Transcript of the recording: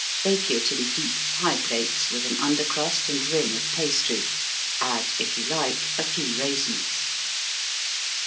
Bake it in deep pie plates, with an under crust and rim of pastry add if you like a few raisins.